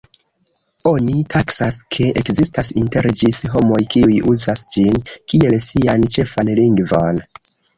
Oni taksas, ke ekzistas inter ĝis homoj, kiuj uzas ĝin kiel sian ĉefan lingvon.